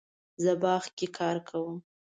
زه باغ کې کار کوم